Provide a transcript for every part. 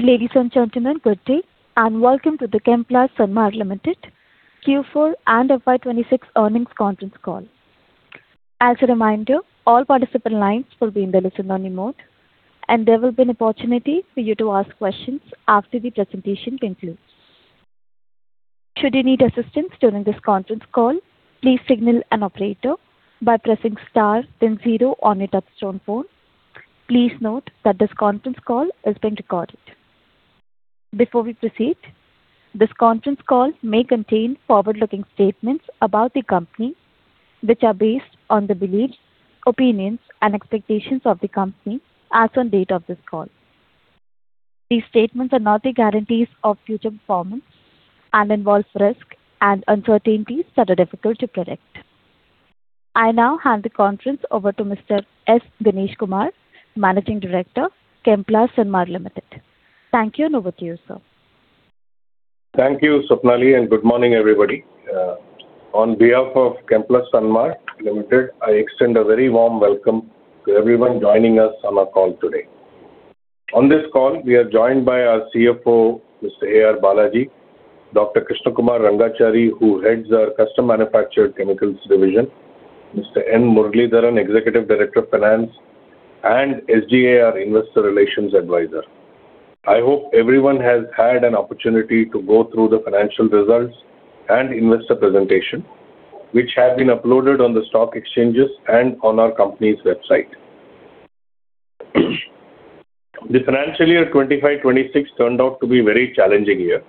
Ladies and gentlemen, good day, welcome to the Chemplast Sanmar Limited Q4 and FY 2026 earnings conference call. As a reminder, all participant lines will be in the listen-only mode, and there will be an opportunity for you to ask questions after the presentation concludes. Should you need assistance during this conference call, please signal an operator by pressing star then zero on your touchtone phone. Please note that this conference call is being recorded. Before we proceed, this conference call may contain forward-looking statements about the company that are based on the beliefs, opinions, and expectations of the company as on date of this call. These statements are not the guarantees of future performance and involve risks and uncertainties that are difficult to predict. I now hand the conference over to Mr. S. Ganeshkumar, Managing Director, Chemplast Sanmar Limited. Thank you, over to you, sir. Thank you, Sapnali, and good morning, everybody. On behalf of Chemplast Sanmar Limited, I extend a very warm welcome to everyone joining us on our call today. On this call, we are joined by our CFO, Mr. AR Balaji; Dr. Krishna Kumar Rangachari, who heads our Custom Manufactured Chemicals division; Mr. N. Muralidharan, Executive Director of Finance; and SGA, our investor relations advisor. I hope everyone has had an opportunity to go through the financial results and investor presentation, which have been uploaded on the stock exchanges and on our company's website. The FY 2025/2026 turned out to be very challenging year.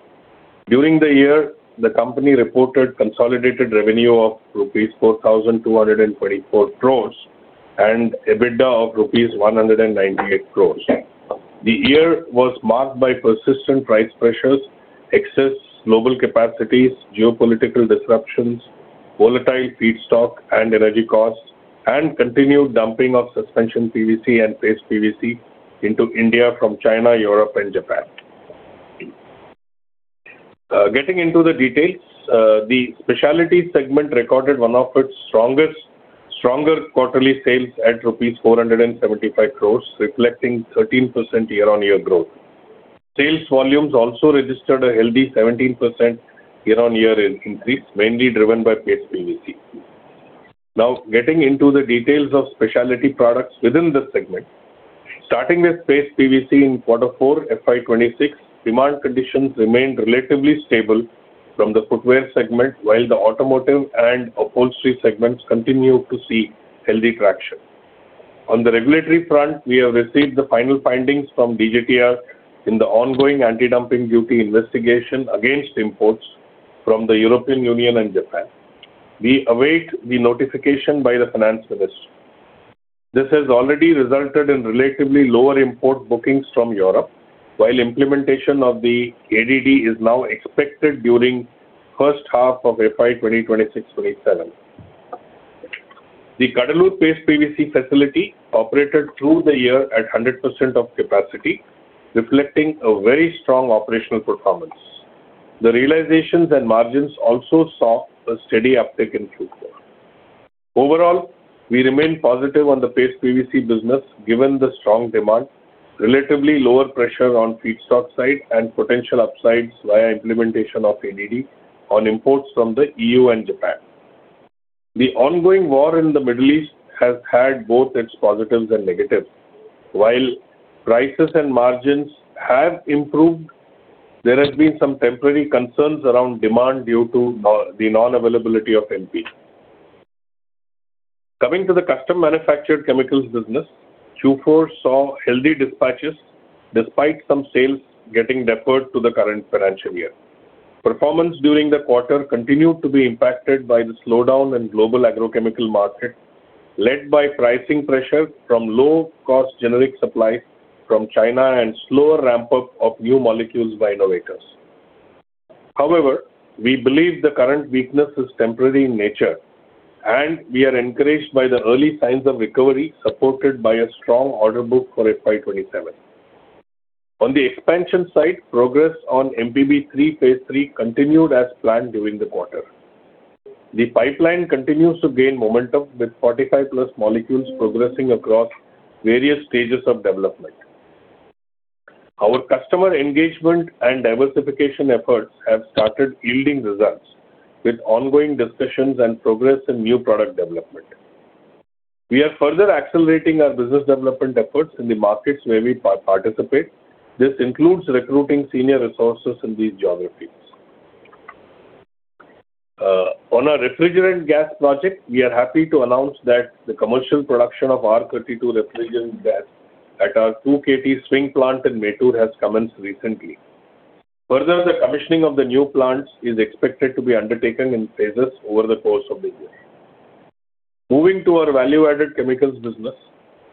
During the year, the company reported consolidated revenue of rupees 4,224 crores and an EBITDA of rupees 198 crores. The year was marked by persistent price pressures, excess global capacities, geopolitical disruptions, volatile feedstock and energy costs, and continued dumping of Suspension PVC and Paste PVC into India from China, Europe, and Japan. Getting into the details, the speciality segment recorded one of its stronger quarterly sales at rupees 475 crores, reflecting 13% year-on-year growth. Sales volumes also registered a healthy 17% year-on-year increase, mainly driven by Paste PVC. Getting into the details of speciality products within this segment. Starting with Paste PVC in quarter four FY 2026, demand conditions remained relatively stable from the footwear segment, while the automotive and upholstery segments continued to see healthy traction. On the regulatory front, we have received the final findings from DGTR in the ongoing anti-dumping duty investigation against imports from the European Union and Japan. We await the notification by the finance minister. This has already resulted in relatively lower import bookings from Europe, while implementation of the ADD is now expected during the first half of FY 2026/2027. The Cuddalore Paste PVC facility operated through the year at 100% of capacity, reflecting a very strong operational performance. The realizations and margins also saw a steady uptick in Q4. Overall, we remain positive on the Paste PVC business given the strong demand, relatively lower pressure on feedstock side, and potential upsides via implementation of ADD on imports from the EU and Japan. The ongoing war in the Middle East has had both its positives and negatives. While prices and margins have improved, there have been some temporary concerns around demand due to the non-availability of MP. Coming to the Custom Manufactured Chemicals business, Q4 saw healthy dispatches despite some sales getting deferred to the current financial year. Performance during the quarter continued to be impacted by the slowdown in global agrochemical market, led by pricing pressure from low-cost generic supplies from China and slower ramp-up of new molecules by innovators. We believe the current weakness is temporary in nature, and we are encouraged by the early signs of recovery supported by a strong order book for FY 2027. On the expansion side, progress on MPB-3 Phase 3 continued as planned during the quarter. The pipeline continues to gain momentum with 45+ molecules progressing across various stages of development. Our customer engagement and diversification efforts have started yielding results with ongoing discussions and progress in new product development. We are further accelerating our business development efforts in the markets where we participate. This includes recruiting senior resources in these geographies. On our refrigerant gas project, we are happy to announce that the commercial production of R32 refrigerant gas at our 2 KT swing plant in Mettur has commenced recently. The commissioning of the new plants is expected to be undertaken in phases over the course of the year. Moving to our value-added chemicals business.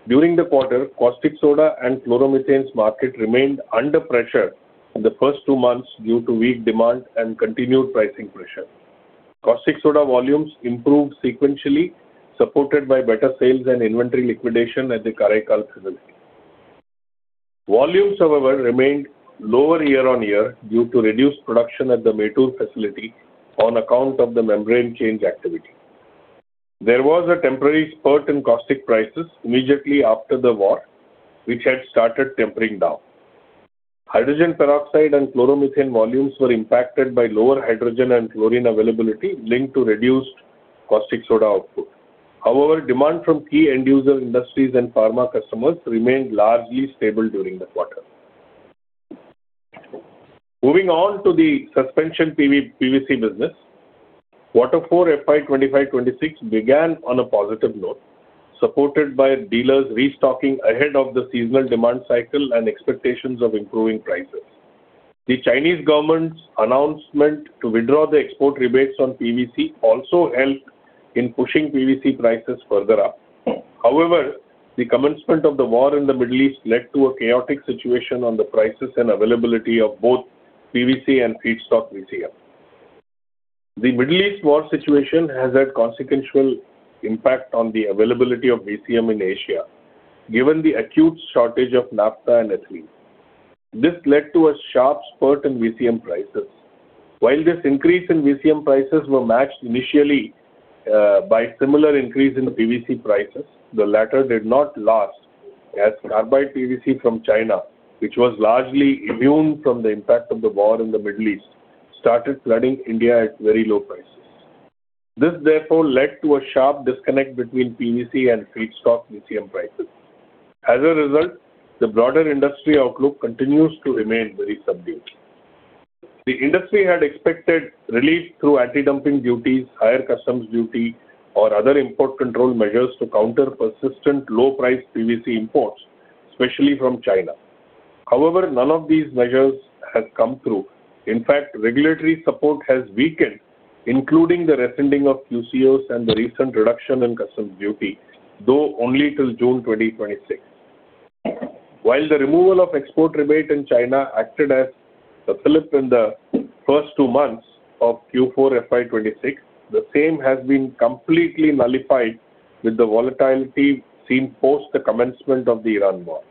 During the quarter, caustic soda and chloromethanes market remained under pressure in the first two months due to weak demand and continued pricing pressure. Caustic soda volumes improved sequentially, supported by better sales and inventory liquidation at the Karaikal facility. Volumes, however, remained lower year-on-year due to reduced production at the Mettur facility on account of the membrane change activity. There was a temporary spurt in caustic prices immediately after the war, which had started tempering down. Hydrogen peroxide and chloromethane volumes were impacted by lower hydrogen and chlorine availability linked to reduced caustic soda output. However, demand from key end user industries and pharma customers remained largely stable during the quarter. Moving on to the Suspension PVC business. Quarter four FY 2025/2026 began on a positive note, supported by dealers restocking ahead of the seasonal demand cycle and expectations of improving prices. The Chinese government's announcement to withdraw the export rebates on PVC also helped in pushing PVC prices further up. However, the commencement of the war in the Middle East led to a chaotic situation on the prices and availability of both PVC and feedstock VCM. The Middle East war situation has had consequential impact on the availability of VCM in Asia, given the acute shortage of naphtha and ethylene. This led to a sharp spurt in VCM prices. While this increase in VCM prices were matched initially by similar increase in the PVC prices, the latter did not last as carbide PVC from China, which was largely immune from the impact of the war in the Middle East, started flooding India at very low prices. This therefore led to a sharp disconnect between PVC and feedstock VCM prices. As a result, the broader industry outlook continues to remain very subdued. The industry had expected relief through anti-dumping duties, higher customs duty, or other import control measures to counter persistent low-price PVC imports, especially from China. However, none of these measures has come through. In fact, regulatory support has weakened, including the rescinding of QCOs and the recent reduction in customs duty, though only till June 2026. While the removal of export rebate in China acted as a fillip in the first two months of Q4 FY 2026, the same has been completely nullified with the volatility seen post the commencement of the Iran war.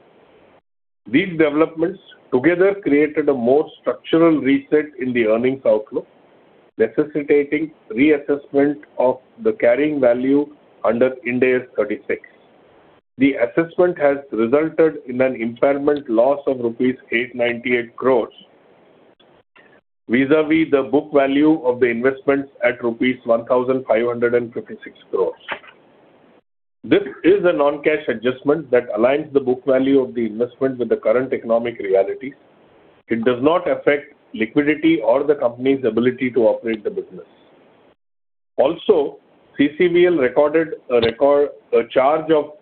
These developments together created a more structural reset in the earnings outlook, necessitating reassessment of the carrying value under Ind AS 36. The assessment has resulted in an impairment loss of rupees 898 crores vis-à-vis the book value of the investments at rupees 1,556 crores. This is a non-cash adjustment that aligns the book value of the investment with the current economic realities. It does not affect liquidity or the company's ability to operate the business. Also, CCVL recorded a charge of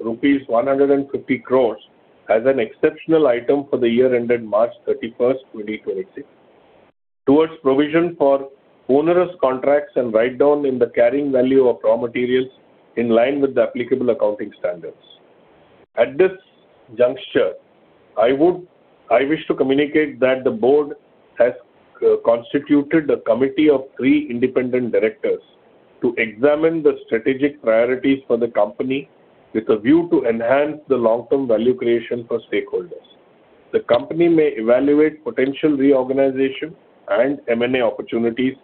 rupees 150 crores as an exceptional item for the year ended March 31ST, 2026 towards provision for onerous contracts and write-down in the carrying value of raw materials in line with the applicable accounting standards. At this juncture, I wish to communicate that the board has constituted a committee of three independent directors to examine the strategic priorities for the company with a view to enhance the long-term value creation for stakeholders. The company may evaluate potential reorganization and M&A opportunities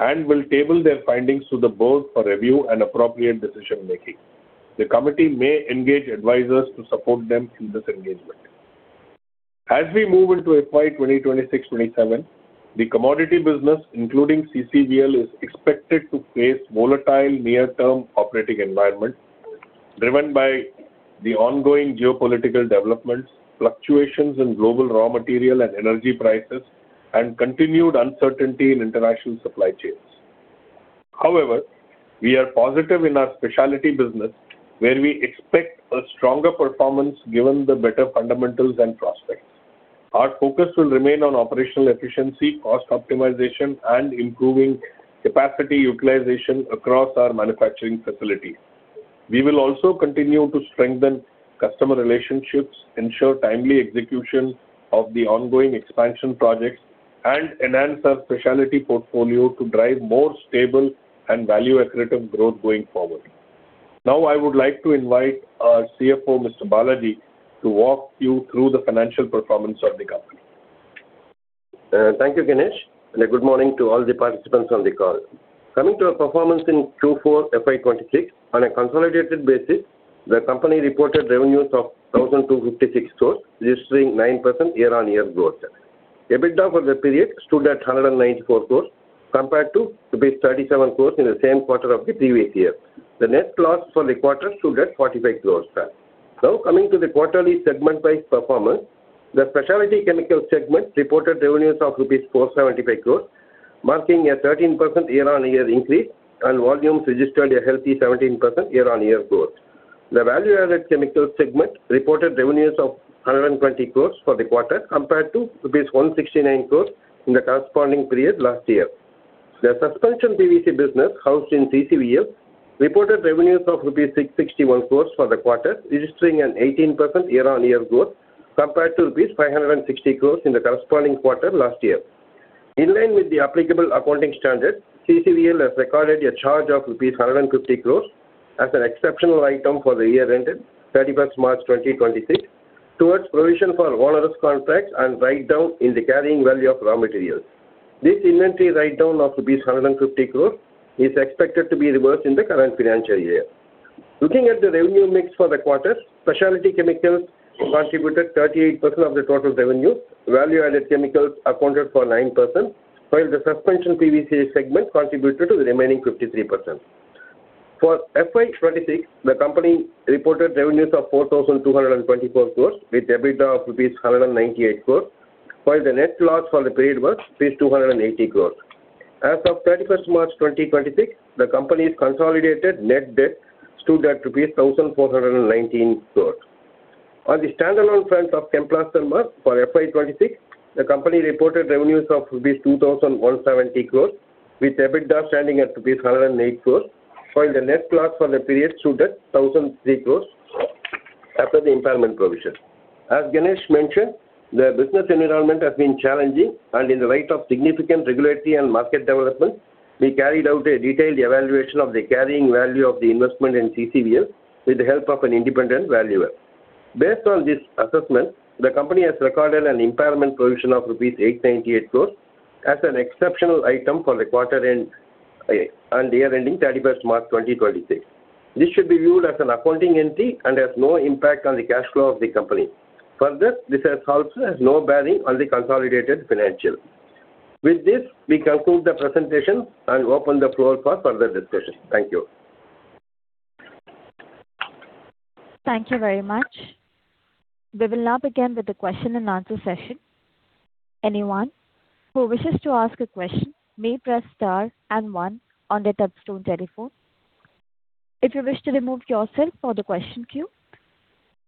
and will table their findings to the board for review and appropriate decision-making. The committee may engage advisors to support them in this engagement. As we move into FY 2026/2027, the commodity business, including CCVL, is expected to face volatile near-term operating environment driven by the ongoing geopolitical developments, fluctuations in global raw material and energy prices, and continued uncertainty in international supply chains. However, we are positive in our speciality business where we expect a stronger performance given the better fundamentals and prospects. Our focus will remain on operational efficiency, cost optimization, and improving capacity utilization across our manufacturing facilities. We will also continue to strengthen customer relationships, ensure timely execution of the ongoing expansion projects, and enhance our speciality portfolio to drive more stable and value-accretive growth going forward. Now I would like to invite our CFO, Mr. Balaji, to walk you through the financial performance of the company. Thank you, Ganesh, and good morning to all the participants on the call. Coming to our performance in Q4 FY 2026, on a consolidated basis, the company reported revenues of 1,256 crores, registering 9% year-on-year growth. EBITDA for the period stood at 194 crores compared to 37 crores in the same quarter of the previous year. The net loss for the quarter stood at 45 crores. Now coming to the quarterly segment by performance, the Speciality Chemicals segment reported revenues of rupees 475 crores, marking a 13% year-on-year increase, and volumes registered a healthy 17% year-on-year growth. The Value Added Chemicals segment reported revenues of 120 crores for the quarter compared to rupees 169 crores in the corresponding period last year. The Suspension PVC business, housed in CCVL, reported revenues of rupees 661 crores for the quarter, registering an 18% year-on-year growth compared to 560 crores in the corresponding quarter last year. In line with the applicable accounting standard, CCVL has recorded a charge of INR 150 crores as an exceptional item for the year ended 31st March 2026, towards provision for onerous contracts and write-down in the carrying value of raw materials. This inventory write-down of 750 crore is expected to be reversed in the current financial year. Looking at the revenue mix for the quarter, Speciality Chemicals contributed 38% of the total revenue, value-added chemicals accounted for 9%, while the Suspension PVC segment contributed to the remaining 53%. For FY 2026, the company reported revenues of 4,224 crore with EBITDA of rupees 1,098 crore, while the net loss for the period was rupees 280 crore. As of 31st March 2026, the company's consolidated net debt stood at 1,419 crore. On the standalone front of Chemplast Sanmar for FY 2026, the company reported revenues of 2,170 crores, with EBITDA standing at 1,008 crores, while the net loss for the period stood at 1,003 crores after the impairment provision. As Ganesh mentioned, the business environment has been challenging and in light of significant regulatory and market developments, we carried out a detailed evaluation of the carrying value of the investment in CCVL with the help of an independent valuer. Based on this assessment, the company has recorded an impairment provision of rupees 898 crores as an exceptional item for the quarter end and year ending 31st March 2026. This should be viewed as an accounting entry and has no impact on the cash flow of the company. Further, this also has no bearing on the consolidated financial. With this, we conclude the presentation and open the floor for further discussion. Thank you. Thank you very much. We will now begin with the question and answer session. Anyone who wishes to ask a question may press star and one on their telephone. If you wish to remove yourself from the question queue,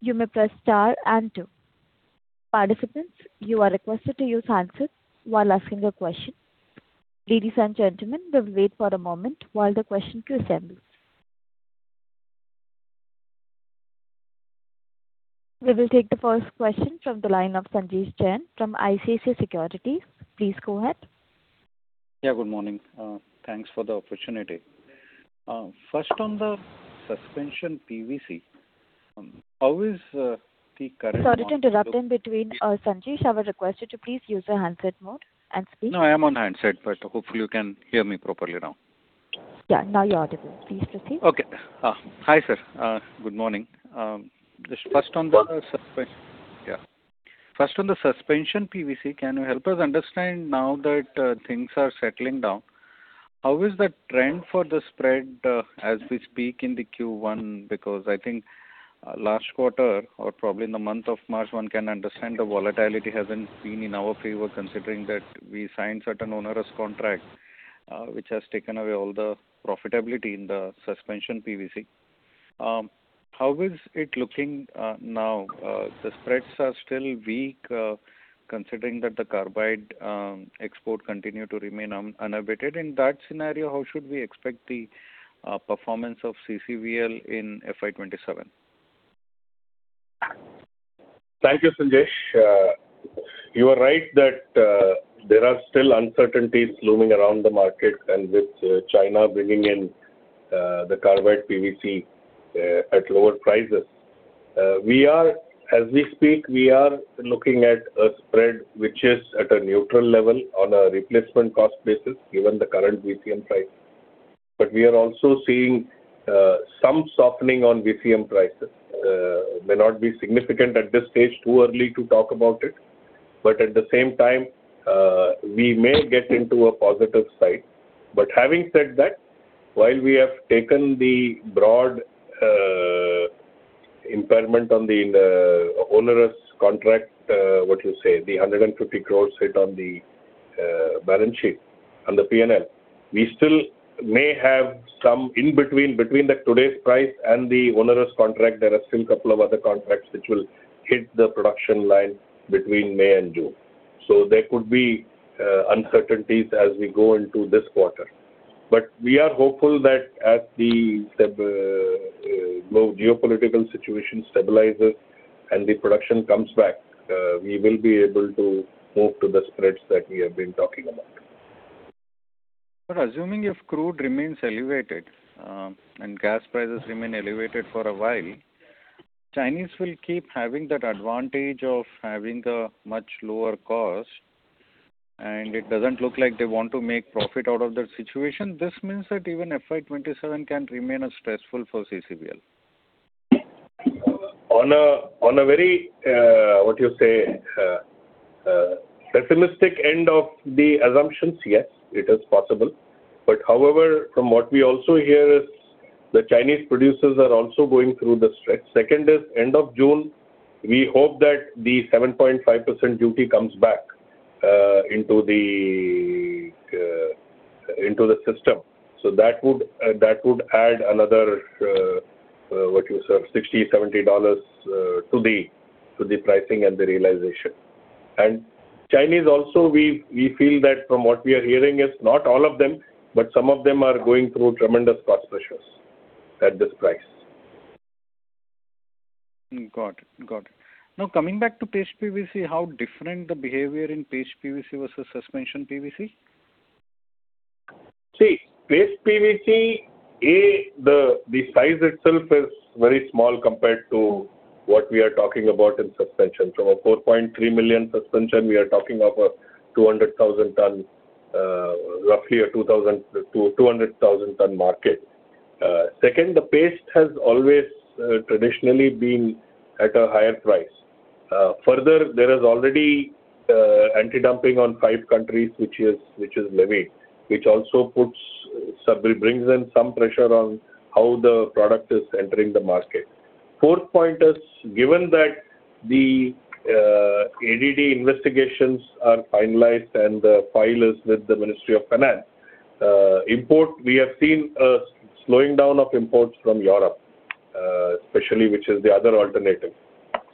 you may press star and two. Participants, you are requested to use handsets while asking a question. Ladies and gentlemen, we'll wait for a moment while the question queues end. We will take the first question from the line of Sanjesh Jain from ICICI Securities. Please go ahead. Yeah, good morning. Thanks for the opportunity. First on the Suspension PVC, how is the current- Sorry to interrupt in between. Sanjesh, I would request you to please use the handset mode and speak. No, I'm on handset. Hopefully, you can hear me properly now. Yeah, now you are good. Please proceed. Okay. Hi, sir. Good morning. Good morning. First of all, the Suspension PVC. Can you help us understand now that things are settling down? How is the trend for the spread as we speak in the Q1, because I think last quarter or probably in the month of March, one can understand the volatility hasn't been in our favor considering that we signed certain onerous contracts, which has taken away all the profitability in the Suspension PVC. How is it looking now? The spreads are still weak, considering that the carbide exports continue to remain unabated. In that scenario, how should we expect the performance of CCVL in FY 2027? Thank you, Sanjesh. You are right that there are still uncertainties looming around the market and with China bringing in the carbide PVC at lower prices. As we speak, we are looking at a spread which is at a neutral level on a replacement cost basis given the current VCM price. We are also seeing some softening on VCM prices. May not be significant at this stage, too early to talk about it, but at the same time, we may get into a positive side. Having said that, while we have taken the broad impairment on the onerous contract, the 150 crore sit on the balance sheet and the P&L, we still may have some in between. Between the today's price and the onerous contract, there are still couple of other contracts which will hit the production line between May and June. There could be uncertainties as we go into this quarter. We are hopeful that as the geopolitical situation stabilizes and the production comes back, we will be able to move to the spreads that we have been talking about. Sir, assuming if crude remains elevated and gas prices remain elevated for a while, Chinese will keep having that advantage of having a much lower cost, and it doesn't look like they want to make profit out of that situation. This means that even FY 2027 can remain as stressful for CCVL. On a very, what you say, pessimistic end of the assumptions, yes, it is possible. However, from what we also hear is the Chinese producers are also going through the stretch. Second is end of June, we hope that the 7.5% duty comes back into the system. That would add another, what you said, $60-$70 to the pricing and the realization. Chinese also, we feel that from what we are hearing is not all of them, but some of them are going through tremendous cost pressures at this price Got it. Now coming back to Paste PVC, how different the behavior in Paste PVC versus Suspension PVC? Paste PVC, the size itself is very small compared to what we are talking about in suspension. Of 4.3 million suspension, we are talking of 200,000 tonne, roughly a 200,000 tonne market. Second, the paste has always traditionally been at a higher price. Further, there is already anti-dumping on five countries, which is levied, which also brings in some pressure on how the product is entering the market. Fourth point is, given that the ADD investigations are finalized and the file is with the Ministry of Finance, we have seen a slowing down of imports from Europe especially, which is the other alternative.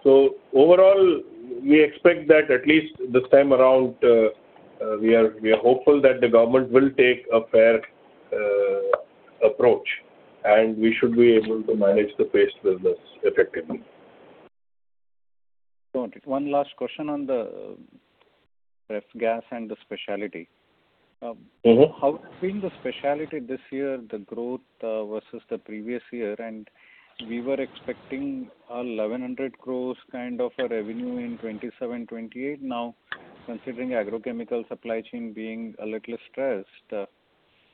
Overall, we expect that at least this time around, we are hopeful that the government will take a fair approach, and we should be able to manage the paste business effectively. Got it. One last question on the ref gas and the speciality. How has been the speciality this year, the growth versus the previous year? We were expecting 1,100 crores kind of a revenue in 2027-2028. Now, considering agrochemical supply chain being a little stressed,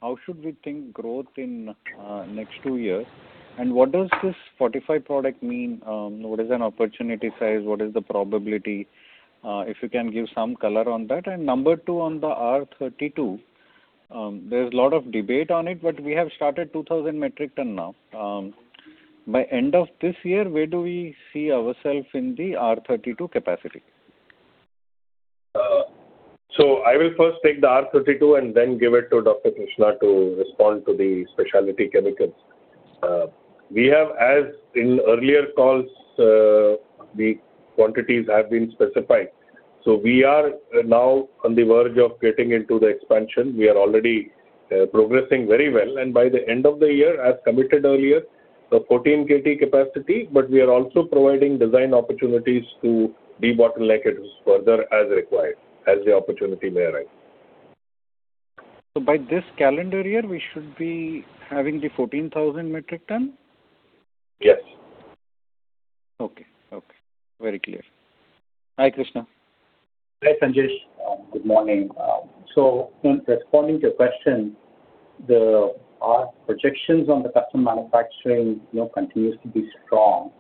how should we think growth in next two years? What does this fortified product mean? What is an opportunity size? What is the probability? If you can give some color on that. Number two, on the R32, there's a lot of debate on it, but we have started 2,000 metric tonne now. By end of this year, where do we see ourself in the R32 capacity? I will first take the R32 and then give it to Dr. Krishna to respond to the Speciality Chemicals. As in earlier calls, the quantities have been specified. We are now on the verge of getting into the expansion. We are already progressing very well. By the end of the year, as committed earlier, the 14 KT capacity, but we are also providing design opportunities to be bottlenecked further as required, as the opportunity may arise. By this calendar year, we should be having the 14,000 metric tonne? Yes. Okay. Very clear. Hi, Krishna. Hi, Sanjesh. Good morning. In responding to your question, our projections on the custom manufacturing continues to be strong.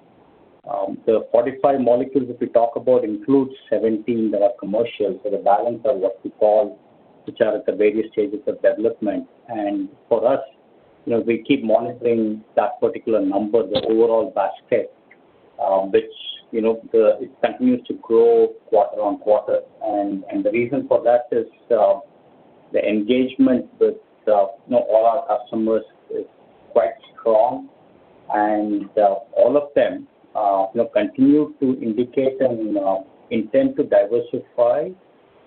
The 45+ molecules that we talk about includes 17 that are commercial. The balance are what we call, which are at the various stages of development. For us, we keep monitoring that particular number, the overall basket, which continues to grow quarter on quarter. The reason for that is the engagement with all our customers is quite strong, and all of them continue to indicate an intent to diversify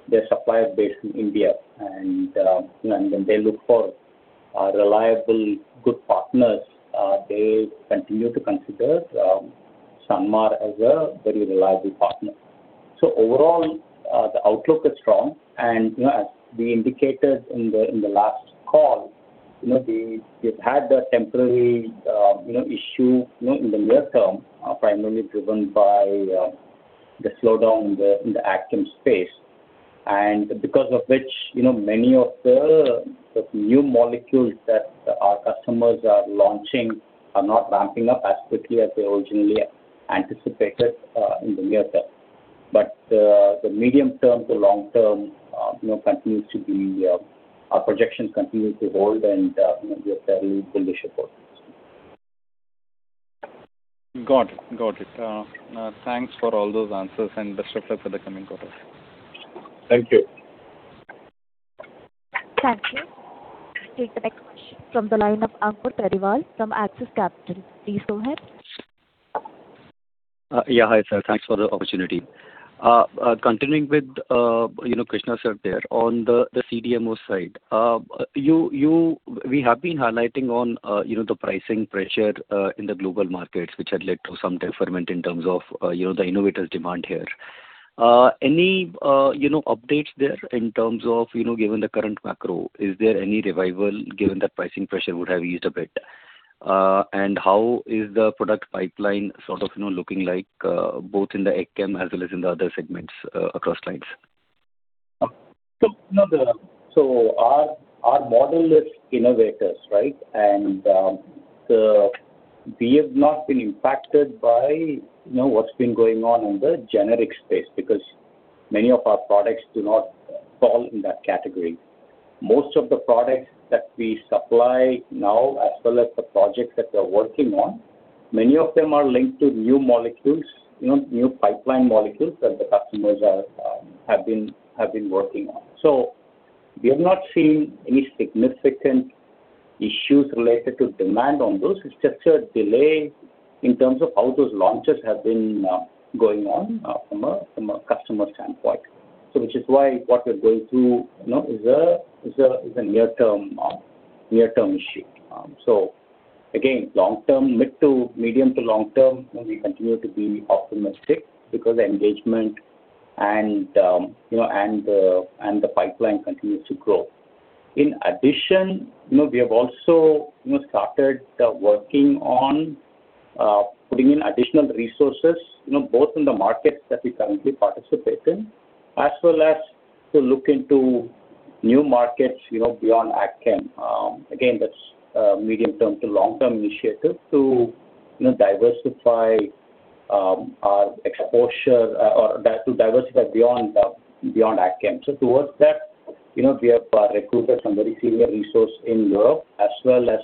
their supply base in India. When they look for reliable, good partners, they continue to consider Sanmar as a very reliable partner. Overall, the outlook is strong. As we indicated in the last call, they've had a temporary issue in the near term, primarily driven by the slowdown in the ag chem space. Because of which many of the new molecules that our customers are launching are not ramping up as quickly as they originally anticipated in the near term. The medium term to long term, our projections continue to hold and they're fairly bullish about it. Got it. Thanks for all those answers and best wishes for the coming quarters. Thank you. Thank you. Next question from the line of Ankur Periwal from Axis Capital. Please go ahead. Yeah, hi, sir. Thanks for the opportunity. Continuing with Krishna sir there, on the CDMO side. We have been highlighting on the pricing pressure in the global markets, which had led to some detriment in terms of the innovator demand here. Any updates there in terms of, given the current macro, is there any revival given that pricing pressure would have eased a bit? How is the product pipeline sort of looking like both in the ag chem as well as in the other segments across lines? Our model is innovators, right? We have not been impacted by what's been going on in the generic space because many of our products do not fall in that category. Most of the products that we supply now, as well as the projects that we're working on, many of them are linked to new molecules, new pipeline molecules that the customers have been working on. We have not seen any significant issues related to demand on those. It's just a delay in terms of how those launches have been going on from a customer standpoint. Which is why what we're going through is a near-term issue. Again, medium to long term, we continue to be optimistic because the engagement and the pipeline continues to grow. In addition, we have also started working on putting in additional resources, both in the markets that we currently participate in, as well as to look into new markets beyond ag chem. Again, that's a medium-term to long-term initiative to diversify our exposure or to diversify beyond ag chem. Towards that, we have recruited some very senior resource in Europe as well as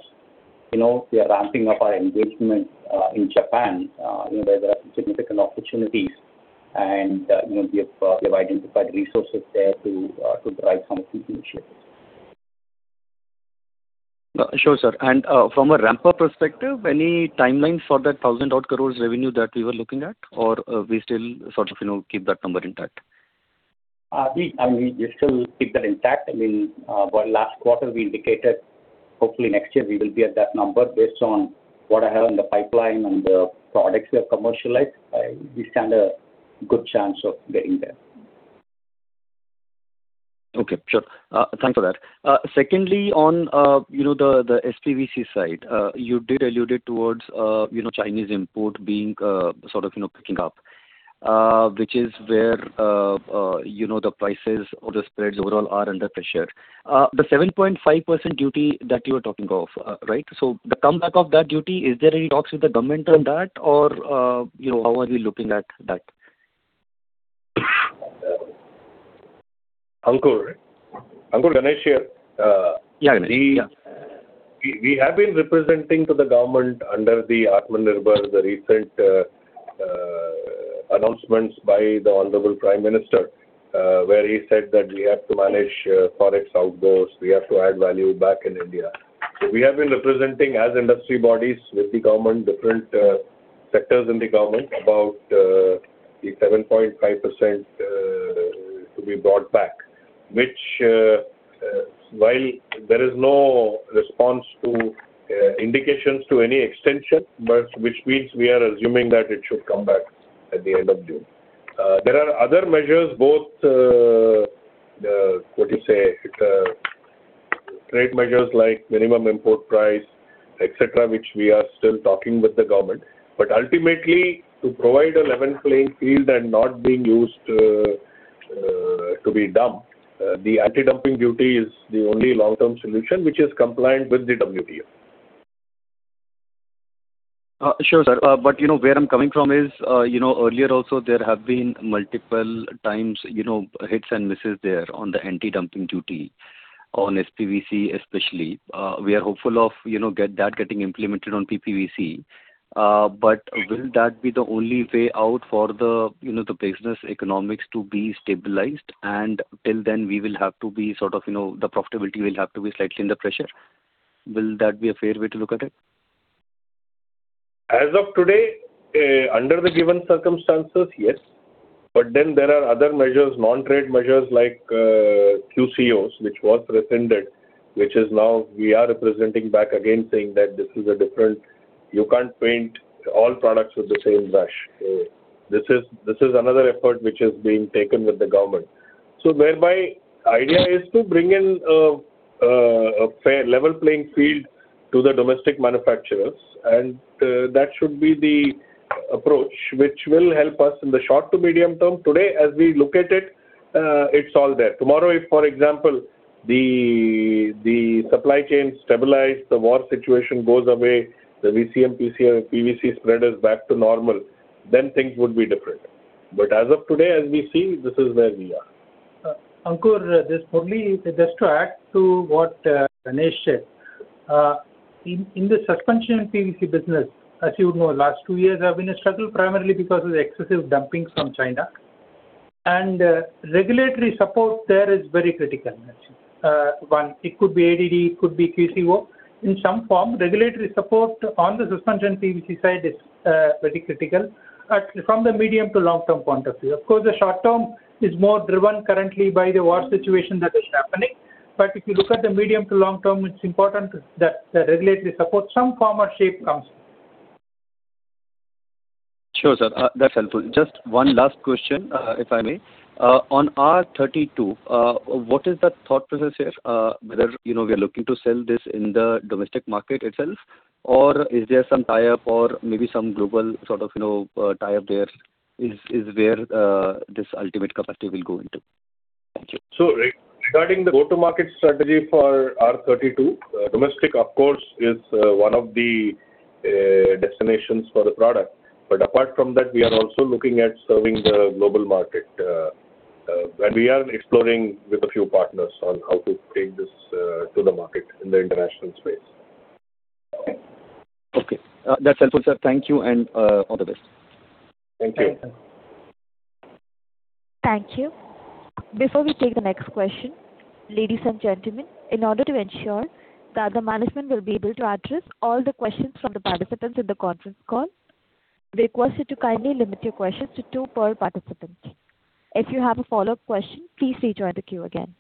we are ramping up our engagement in Japan, where there are significant opportunities. We have identified resources there to drive some of these initiatives. Sure, sir. From a ramp-up perspective, any timeline for that 1,000-odd crore revenue that we were looking at, or we still sort of keep that number intact? We still keep that intact. I mean, last quarter we indicated hopefully next year we will be at that number based on what I have in the pipeline and the products we have commercialized. We stand a good chance of getting there. Okay, sure. Thanks for that. Secondly, on the S-PVC side, you did allude towards Chinese import being sort of picking up, which is where the prices or the spreads overall are under pressure. The 7.5% duty that you were talking of, right? The comeback of that duty, is there any talks with the government on that or how are we looking at that? Ankur. Ankur, Ganesh here. Yeah, Ganesh. We have been representing to the government under the Atmanirbhar, the recent announcements by the honorable Prime Minister, where he said that we have to manage products outdoors, we have to add value back in India. We have been representing as industry bodies with the government, different sectors in the government, about the 7.5% to be brought back, which while there is no response to indications to any extension, but which means we are assuming that it should come back at the end of June. There are other measures, both what you say, trade measures like minimum import price, et cetera, which we are still talking with the government. Ultimately, to provide a level playing field and not being used to be dumped, the anti-dumping duty is the only long-term solution which is compliant with the WTO. Sure, sir. Where I'm coming from is earlier also there have been multiple times hits and misses there on the anti-dumping duty on S-PVC especially. We are hopeful of that getting implemented on EPVC. Will that be the only way out for the business economics to be stabilized, and till then we will have to be sort of, you know, the profitability will have to be slightly under pressure? Will that be a fair way to look at it? As of today, under the given circumstances, yes. There are other measures, non-trade measures like QCOs, which was presented, which is now we are representing back again saying that this is different. You can't paint all products with the same brush. This is another effort which is being taken with the government. Idea is to bring in a fair, level playing field to the domestic manufacturers, and that should be the approach which will help us in the short to medium term. Today, as we look at it's all there. Tomorrow, if, for example, the supply chain stabilizes, the war situation goes away, the VCM, PVC spread is back to normal, then things would be different. As we see, this is where we are. Ankur, this is Murali. Just to add to what Ganesh said. In the Suspension PVC business, as you would know, last two years have been a struggle, primarily because of the excessive dumping from China. Regulatory support there is very critical. One, it could be ADD, it could be QCO. In some form, regulatory support on the Suspension PVC side is very critical from the medium to long-term point of view. Of course, the short term is more driven currently by the war situation that is happening. If you look at the medium to long term, it's important that the regulatory support, some form or shape comes. Sure, sir. That's helpful. Just one last question, if I may. On R32, what is the thought process here? Whether we're looking to sell this in the domestic market itself, or is there some tie-up or maybe some global sort of tie-up there is where this ultimate capacity will go into? Thank you. Regarding the go-to-market strategy for R32, domestic, of course, is one of the destinations for the product. Apart from that, we are also looking at serving the global market. We are exploring with a few partners on how to take this to the market in the international space. Okay. That's helpful, sir. Thank you, and all the best. Thank you. Thank you. Thank you. Before we take the next question, ladies and gentlemen, in order to ensure that the management will be able to address all the questions from the participants in the conference call. Requested to kindly limit your questions to two per participant. If you have a follow-up question, please rejoin the queue again.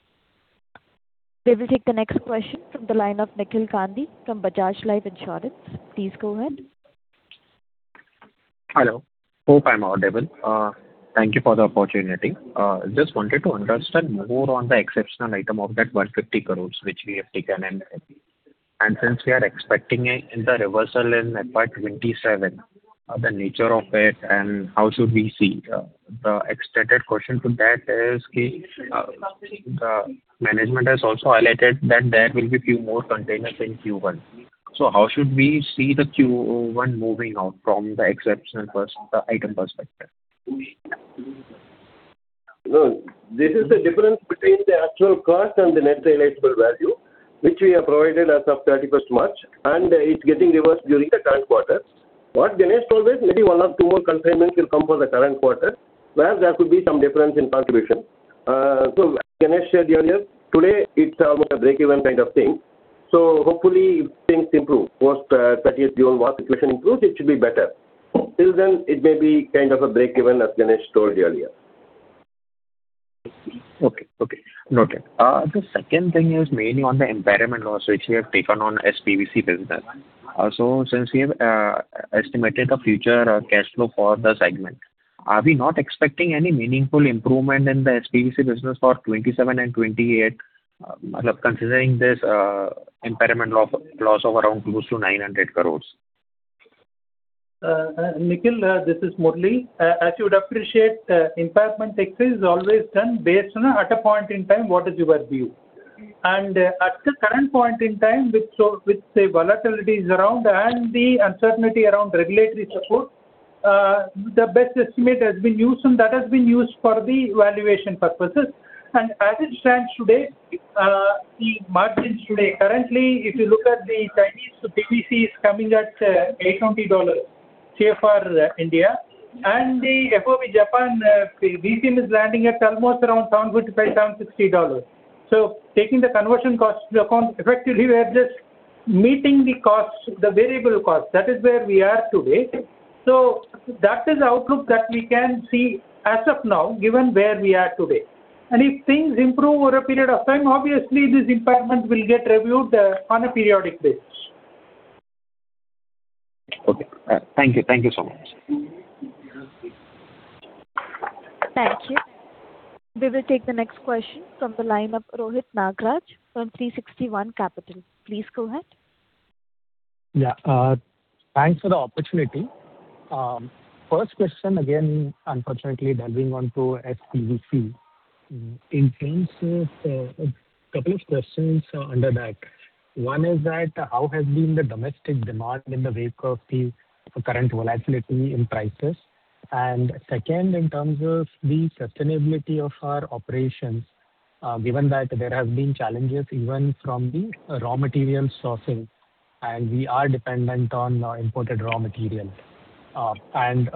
We will take the next question from the line of Nikhil Gandhi from Bajaj Life Insurance. Please go ahead. Hello. Hope I'm audible. Thank you for the opportunity. Just wanted to understand more on the exceptional item of that 150 crore, which we have taken in, since we are expecting it in the reversal in FY 2027, the nature of it and how should we see. The extended question to that is, the management has also alerted that there will be few more consignments in Q1. How should we see the Q1 moving on from the exceptional item perspective? This is the difference between the actual cost and the net realizable value, which we have provided as of 31st March, and it's getting reversed during the current quarter. What Ganesh told is maybe one or two more consignments will come for the current quarter, where there could be some difference in contribution. As Ganesh shared earlier, today it's almost a breakeven kind of thing. Hopefully things improve. Post 30th June, once the situation improves, it should be better. Till then, it may be kind of a breakeven as Ganesh told earlier. Okay. Noted. The second thing is mainly on the impairment loss, which we have taken on S-PVC business. Since we have estimated a future cash flow for the segment, are we not expecting any meaningful improvement in the S-PVC business for 2027 and 2028 considering this impairment loss of around close to 900 crores? Nikhil, this is Murali. As you would appreciate, impairment exercise is always done based on at a point in time what is your view. At the current point in time, with the volatilities around and the uncertainty around regulatory support, the best estimate has been used and that has been used for the valuation purposes. As it stands today, the margins today currently, if you look at the Chinese PVC is coming at $820 CIF India, and the FOB Japan VCM is landing at almost around $1,250-$1,260. Taking the conversion cost into account, effectively we are just meeting the variable cost. That is where we are today. That is the outlook that we can see as of now, given where we are today. If things improve over a period of time, obviously this impairment will get reviewed on a periodic basis. Okay. Thank you so much. Thank you. We will take the next question from the line of Rohit Nagraj from 360 ONE Capital. Please go ahead. Yeah. Thanks for the opportunity. First question again, unfortunately, delving onto S-PVC. A couple of questions under that. One is that how has been the domestic demand in the wake of the current volatility in prices? Second, in terms of the sustainability of our operations, given that there have been challenges even from the raw material sourcing, and we are dependent on imported raw materials. A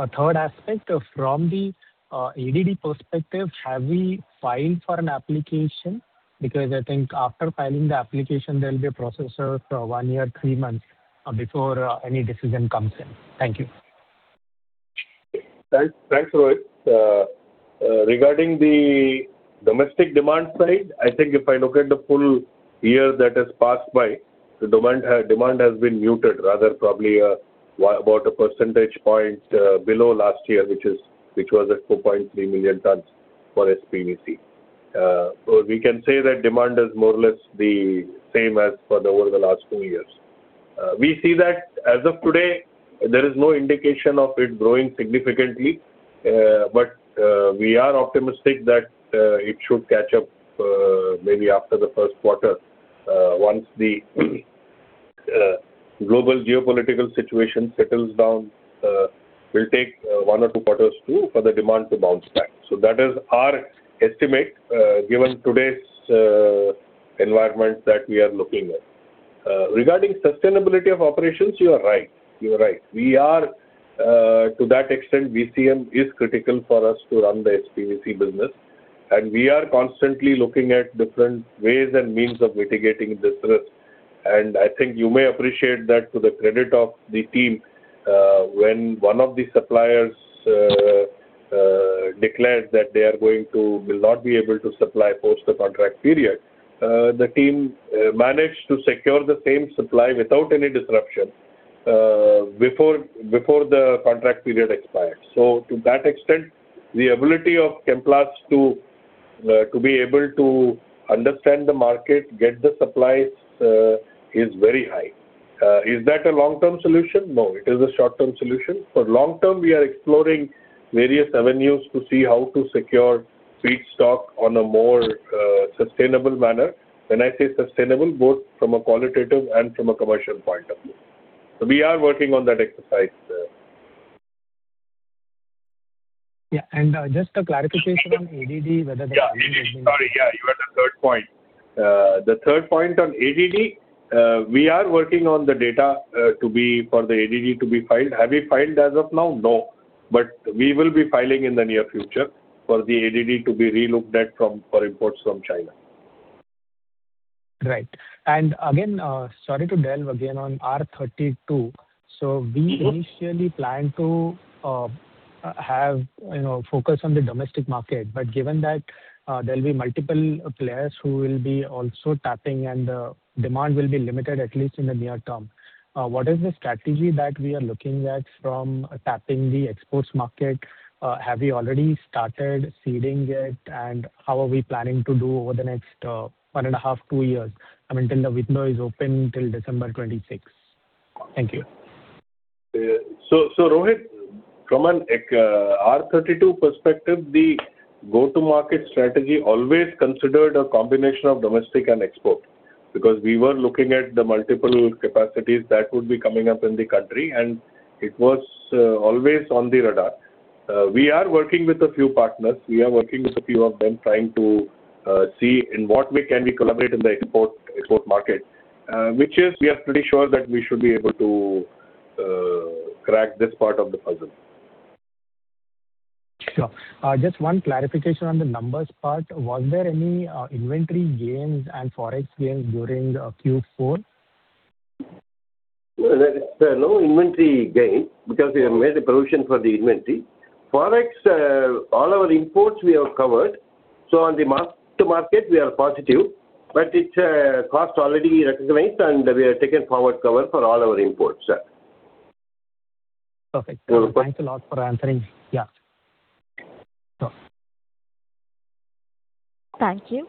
third aspect, from the ADD perspective, have we filed for an application? Because I think after filing the application there will be a process of one year, three months before any decision comes in. Thank you. Thanks, Rohit. Regarding the domestic demand side, I think if I look at the full year that has passed by, the demand has been muted, rather probably about a percentage point below last year, which was at 4.3 million tonnes for S-PVC. We can say that demand is more or less the same as for over the last two years. We see that as of today, there is no indication of it growing significantly. We are optimistic that it should catch up maybe after the first quarter, once the global geopolitical situation settles down. Will take one or two quarters for the demand to bounce back. That is our estimate given today's environment that we are looking at. Regarding sustainability of operations, you are right. To that extent, VCM is critical for us to run the S-PVC business, and we are constantly looking at different ways and means of mitigating this risk. I think you may appreciate that to the credit of the team, when one of the suppliers declared that they will not be able to supply post the contract period, the team managed to secure the same supply without any disruption before the contract period expired. To that extent, the ability of Chemplast to be able to understand the market, get the supplies, is very high. Is that a long-term solution? No, it is a short-term solution. For long term, we are exploring various avenues to see how to secure feedstock on a more sustainable manner. When I say sustainable, both from a qualitative and from a commercial point of view. We are working on that exercise. Yeah. Just a clarification on ADD, whether- Yeah, ADD. Sorry. Yeah, you had a third point. The third point on ADD, we are working on the data for the ADD to be filed. Have we filed as of now? No. We will be filing in the near future for the ADD to be relooked at for imports from China. Right. Again, sorry to delve again on R32. We initially planned to have focus on the domestic market, but given that there'll be multiple players who will be also tapping and the demand will be limited, at least in the near term, what is the strategy that we are looking at from tapping the exports market? Have you already started seeding it, and how are we planning to do over the next 1.5 to two years? I mean, till the window is open till December 2026. Thank you. Rohit, from an R32 perspective, the go-to-market strategy always considered a combination of domestic and export, because we were looking at the multiple capacities that would be coming up in the country, and it was always on the radar. We are working with a few partners. We are working with a few of them, trying to see in what way can we collaborate in the export market. We are pretty sure that we should be able to crack this part of the puzzle. Sure. Just one clarification on the numbers part. Was there any inventory gains and Forex gains during Q4? No, there is no inventory gain because we have made a provision for the inventory. Forex, all our imports we have covered. On the mark-to-market, we are positive. It's a cost already recognized, and we have taken forward cover for all our imports. Perfect. No reports. Thanks a lot for answering. Yeah. Sure. Thank you.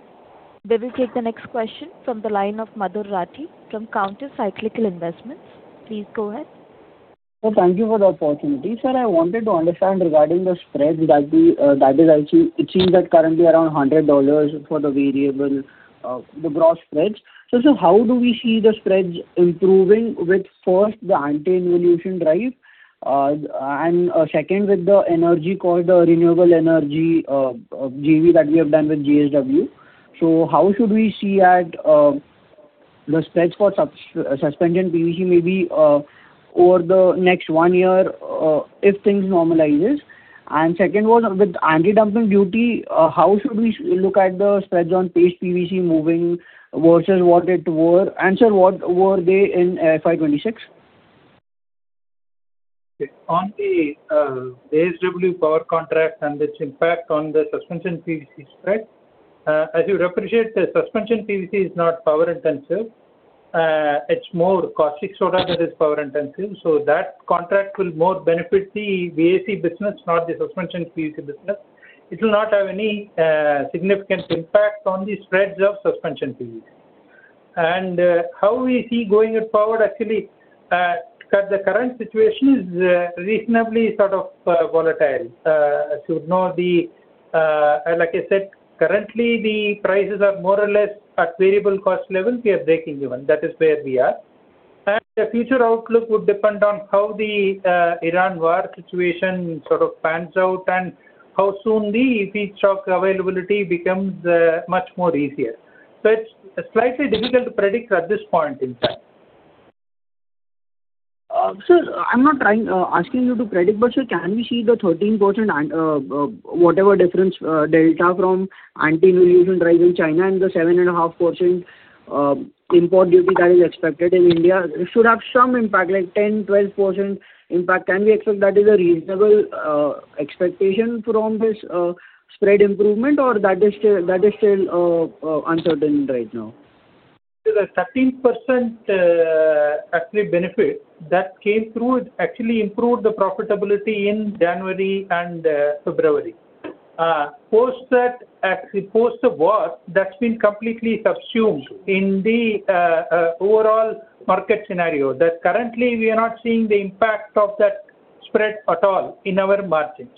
We will take the next question from the line of Madhur Rathi from Counter Cyclical Investments. Please go ahead. Sir, thank you for the opportunity. Sir, I wanted to understand regarding the spreads. It seems that currently around $100 for the variable, the gross spreads. Sir, how do we see the spreads improving with, first, the anti-dumping drive, and second, with the energy corridor, renewable energy JV that we have done with JSW. How should we see at the spreads for Suspension PVC maybe over the next one year, if things normalizes? Second was with anti-dumping duty, how should we look at the spreads on Paste PVC moving versus what it were, and sir, what were they in FY 2026? On the JSW power contract and its impact on the Suspension PVC spread. As you'd appreciate, the Suspension PVC is not power intensive. It's more caustic soda that is power intensive, so that contract will more benefit the VAC business, not the Suspension PVC business. It will not have any significant impact on the spreads of Suspension PVC. How we see going forward, actually, the current situation is reasonably sort of volatile. Like I said, currently the prices are more or less at variable cost levels. We are breaking even. That is where we are. The future outlook would depend on how the Iran war situation sort of pans out and how soon the feedstock availability becomes much more easier. It's slightly difficult to predict at this point in time. Sir, I'm not asking you to predict, but sir, can we see the 13% whatever difference delta from anti-dumping duty in China and the 7.5% import duty that is expected in India should have some impact, like 10%-12% impact? Can we expect that is a reasonable expectation from this spread improvement or that is still uncertain right now? Sir, the 13% actually benefit, that came through, it actually improved the profitability in January and February. Post the war, that's been completely subsumed in the overall market scenario. Currently, we are not seeing the impact of that spread at all in our margins.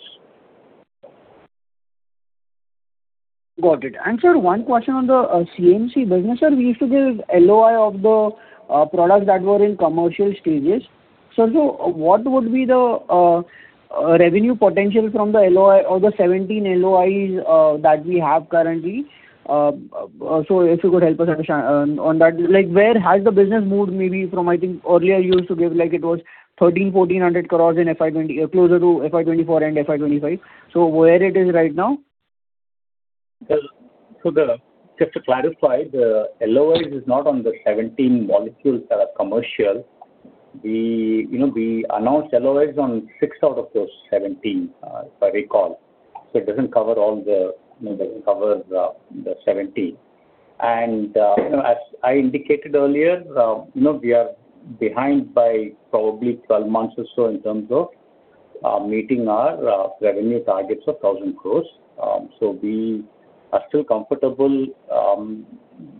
Got it. Sir, one question on the CMC business. Sir, we used to give LOI of the products that were in commercial stages. Sir, what would be the revenue potential from the LOI or the 17 LOIs that we have currently? If you could help us understand on that. Where has the business moved maybe from, I think earlier you used to give, it was 1,300 crores-1,400 crores closer to FY 2024 and FY 2025. Where it is right now? Just to clarify, the LOIs is not on the 17 molecules that are commercial. We announced LOIs on six out of those 17, if I recall. It doesn't cover the 17. As I indicated earlier, we are behind by probably 12 months or so in terms of meeting our revenue targets of 1,000 crores. We are still comfortable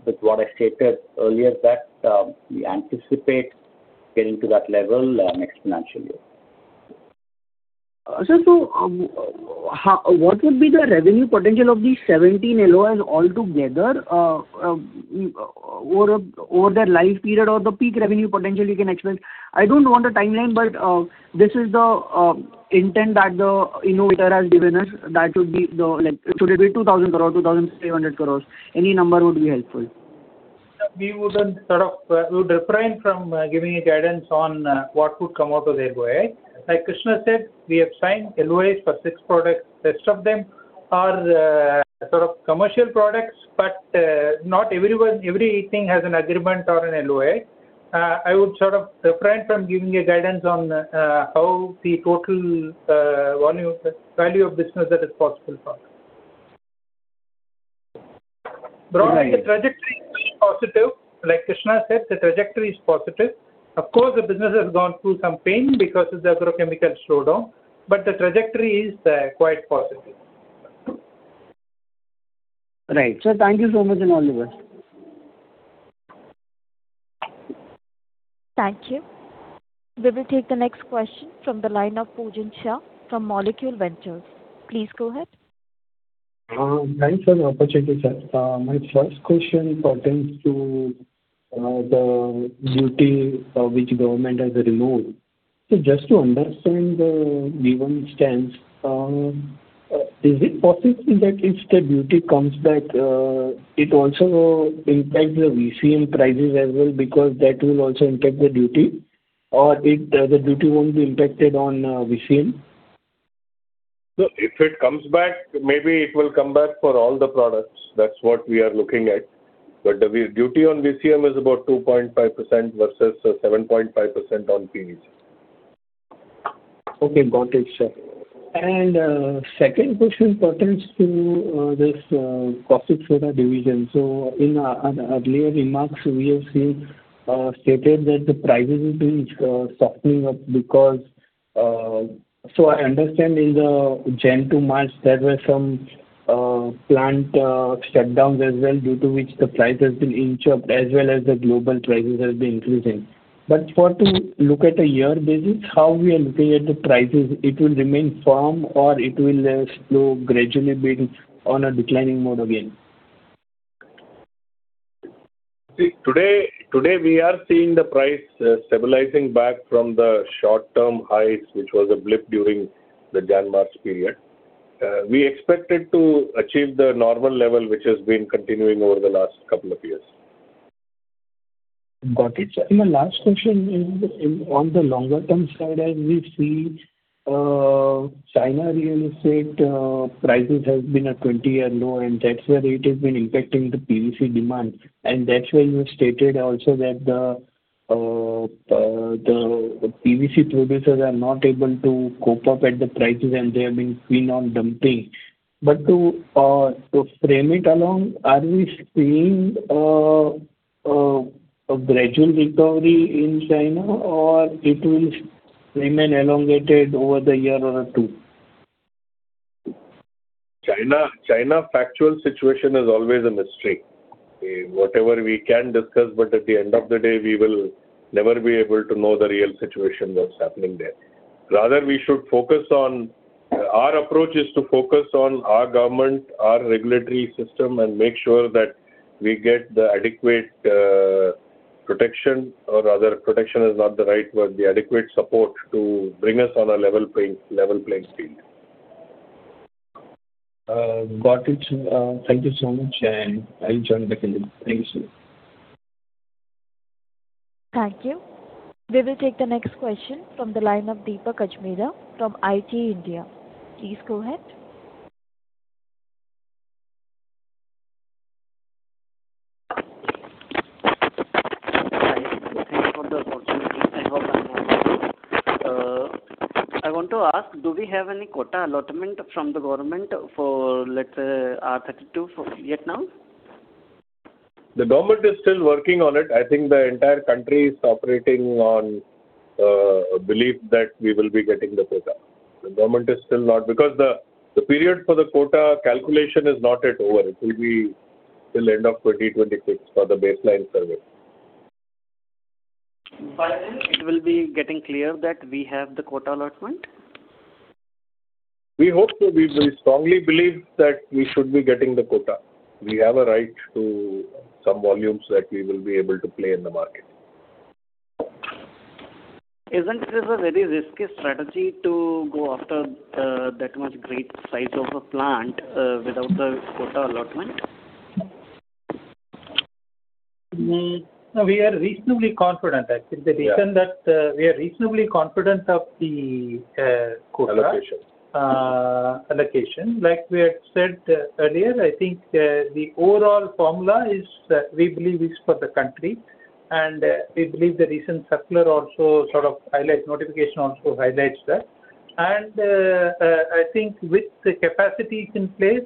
with what I stated earlier that we anticipate getting to that level next financial year. Sir, what would be the revenue potential of these 17 LOIs all together over their life period or the peak revenue potential you can expect? I don't know on the timeline, but this is the intent that the innovator has given us. Should it be 2,000 crore-2,300 crores? Any number would be helpful. Sir, we would refrain from giving a guidance on what would come out of the LOI. Like Krishna said, we have signed LOIs for six products. Rest of them. Are commercial products, but not everything has an agreement or an LOI. I would refrain from giving a guidance on how the total value of business that is possible from it. Right. The trajectory is very positive. Like Krishna said, the trajectory is positive. Of course, the business has gone through some pain because of the agrochemical slowdown, but the trajectory is quite positive. Right. Sir, thank you so much and all the best. Thank you. We will take the next question from the line of Pujan Shah from Molecule Ventures. Please go ahead. Thanks for the opportunity, sir. My first question pertains to the duty which government has removed. Just to understand the VOne stance, is it possible that if the duty comes back, it also impacts the VCM prices as well because that will also impact the duty? The duty won't be impacted on VCM? If it comes back, maybe it will come back for all the products. That's what we are looking at. The duty on VCM is about 2.5% versus 7.5% on PVC. Okay, got it, sir. Second question pertains to this caustic soda division. In earlier remarks, we have seen stated that the prices will be softening up. I understand in the January to March, there were some plant shutdowns as well, due to which the price has been inched up, as well as the global prices has been increasing. For to look at a year basis, how we are looking at the prices, it will remain firm or it will slow gradually be on a declining mode again? Today, we are seeing the price stabilizing back from the short-term highs, which was a blip during the January-March period. We expect it to achieve the normal level, which has been continuing over the last couple of years. Got it, sir. My last question is on the longer term side, as we see China real estate prices has been a 20-year low, and that's where it has been impacting the PVC demand. That's why you stated also that the PVC producers are not able to cope up at the prices, and they are being seen on dumping. To frame it along, are we seeing a gradual recovery in China or it will remain elongated over the year or two? China factual situation is always a mystery. Whatever we can discuss, at the end of the day, we will never be able to know the real situation that's happening there. Our approach is to focus on our government, our regulatory system, and make sure that we get the adequate protection, or rather, protection is not the right word, the adequate support to bring us on a level playing field. Got it. Thank you so much, and I'll join the queue. Thank you, sir. Thank you. We will take the next question from the line of [Deepa Kajmera] from IIFL India. Please go ahead. Thanks for the opportunity. Thank you for your time. I want to ask, do we have any quota allotment from the government for, let's say, R32 for Vietnam? The government is still working on it. I think the entire country is operating on a belief that we will be getting the quota. The government is still not, because the period for the quota calculation is not yet over. It will be till end of 2026 for the baseline survey. By when it will be getting clear that we have the quota allotment? We hope so. We strongly believe that we should be getting the quota. We have a right to some volumes that we will be able to play in the market. Isn't it a very risky strategy to go after that much great size of a plant without the quota allotment? No, we are reasonably confident. I think the reason that we are reasonably confident of the quota-. Allocation. Allocation. Like we had said earlier, I think the overall formula we believe is for the country. We believe the recent circular also sort of highlights, notification also highlights that. I think with the capacities in place,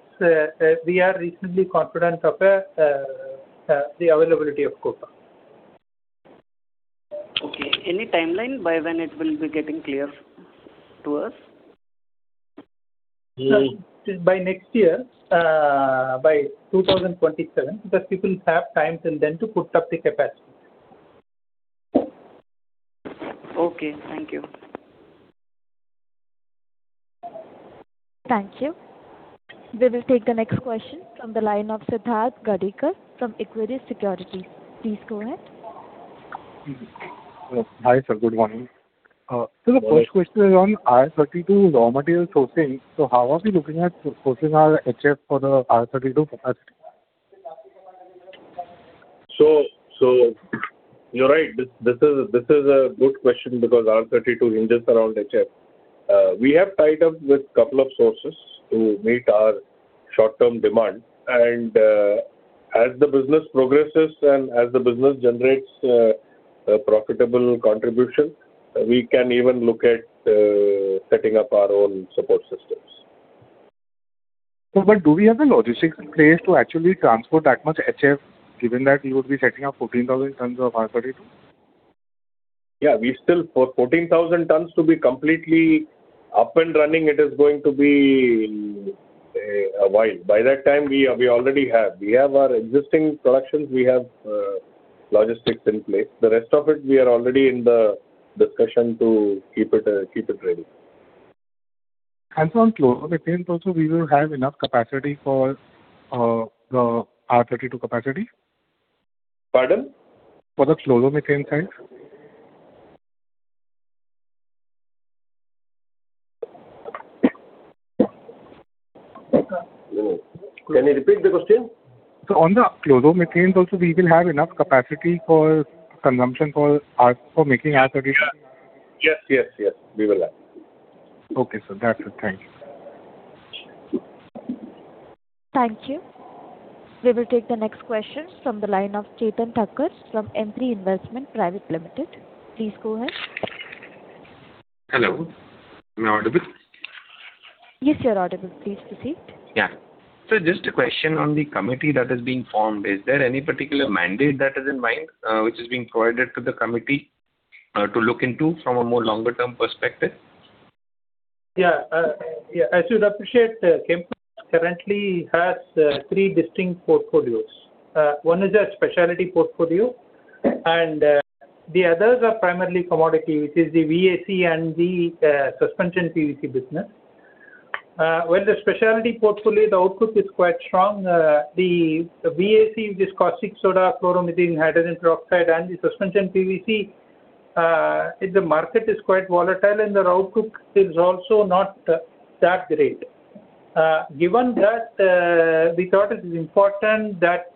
we are reasonably confident of the availability of quota. Okay. Any timeline by when it will be getting clear to us? By next year, by 2027, because people have time till then to put up the capacity. Okay. Thank you. Thank you. We will take the next question from the line of [Siddharth Gadikar] from Equity Securities. Please go ahead. Hi, sir. Good morning. The first question is on R32 raw material sourcing. How are we looking at sourcing our HF for the R32 capacity? You're right. This is a good question because R32 hinges around HF. We have tied up with couple of sources to meet our short-term demand. As the business progresses and as the business generates a profitable contribution, we can even look at setting up our own support systems. Do we have the logistics in place to actually transport that much HF, given that you would be setting up 14,000 tonnes of R32? Yeah. For 14,000 tonnes to be completely up and running, it is going to be a while. By that time, we already have. We have our existing productions. We have logistics in place. The rest of it, we are already in the discussion to keep it ready. From chloromethane also, we will have enough capacity for the R32 capacity? Pardon? For the chloromethane side. Can you repeat the question? On the chloromethane also, we will have enough capacity for consumption for making R32? Yes. We will have. Okay, sir. That's it. Thank you. Thank you. We will take the next question from the line of Chetan Thakkar from Empire Investment Private Limited. Please go ahead. Hello, am I audible? Yes, you're audible. Please proceed. Yeah. Just a question on the committee that is being formed. Is there any particular mandate that is in mind which is being provided to the committee to look into from a more longer term perspective? As you'd appreciate, Chemplast currently has three distinct portfolios. One is a speciality portfolio, the others are primarily commodity, which is the VAC and the Suspension PVC business. With the speciality portfolio, the outlook is quite strong. The VAC, which is caustic soda, chloromethane, hydrogen peroxide, and the Suspension PVC, the market is quite volatile, and the outlook is also not that great. Given that, we thought it is important that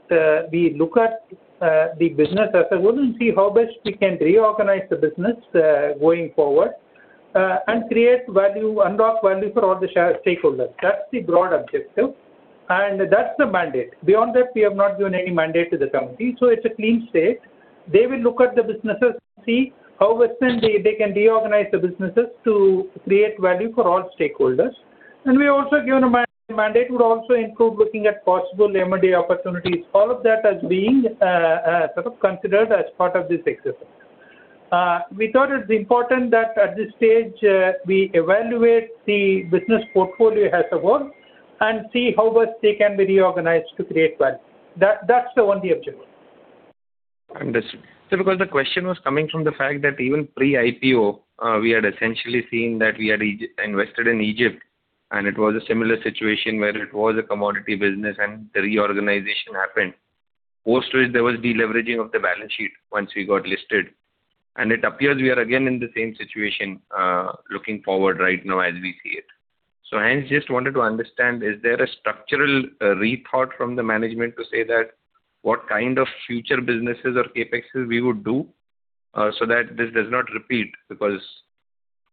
we look at the business as a whole and see how best we can reorganize the business going forward and create value, unlock value for all the stakeholders. That's the broad objective, that's the mandate. Beyond that, we have not given any mandate to the committee, so it's a clean state. They will look at the businesses and see how best they can reorganize the businesses to create value for all stakeholders. We've also given a mandate would also include looking at possible M&A opportunities. All of that as being sort of considered as part of this exercise. We thought it's important that at this stage we evaluate the business portfolio as a whole and see how best they can be reorganized to create value. That's the only objective. Understood. The question was coming from the fact that even pre-IPO, we had essentially seen that we had invested in Egypt, and it was a similar situation where it was a commodity business and the reorganization happened. Post which there was deleveraging of the balance sheet once we got listed. It appears we are again in the same situation looking forward right now as we see it. I just wanted to understand, is there a structural re-thought from the management to say that what kind of future businesses or CapEx we would do so that this does not repeat?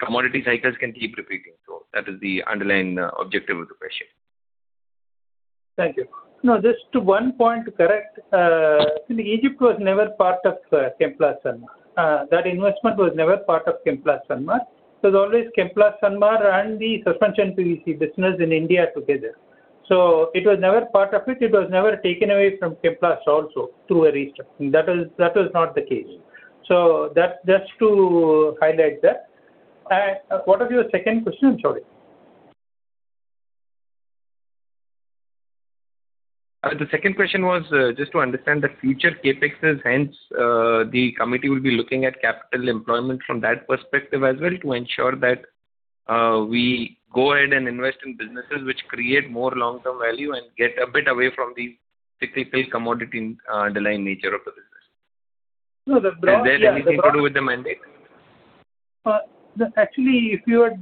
Commodity cycles can keep repeating. That is the underlying objective of the question. Thank you. Just to one point correct, Egypt was never part of Chemplast Sanmar. That investment was never part of Chemplast Sanmar. It was always Chemplast Sanmar and the Suspension PVC business in India together. It was never part of it. It was never taken away from Chemplast also through a restructuring. That was not the case. Just to highlight that. What was your second question? Sorry. The second question was just to understand the future CapExes. The committee will be looking at capital employment from that perspective as well to ensure that we go ahead and invest in businesses which create more long-term value and get a bit away from the cyclical commodity underlying nature of the business. No. Is there anything to do with the mandate? Actually, if you had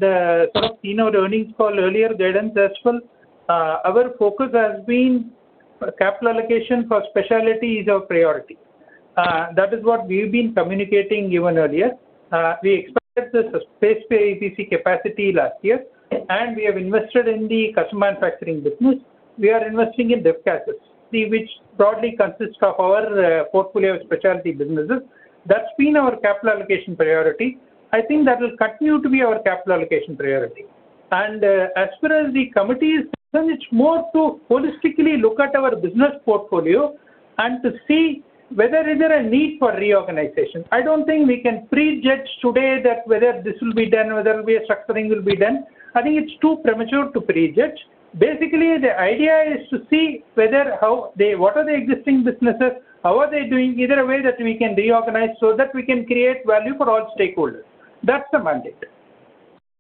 sort of seen our earnings call earlier, our focus has been capital allocation for speciality is our priority. That is what we've been communicating even earlier. We expanded the space for EPVC capacity last year, and we have invested in the custom manufacturing business. We are investing in [deep] assets, which broadly consists of our portfolio of speciality businesses. That's been our capital allocation priority. I think that will continue to be our capital allocation priority. As far as the committee is concerned, it's more to holistically look at our business portfolio and to see whether is there a need for reorganization. I don't think we can prejudge today that whether this will be done, whether a structuring will be done. I think it's too premature to prejudge. The idea is to see what are the existing businesses, how are they doing. Is there a way that we can reorganize so that we can create value for all stakeholders? That's the mandate.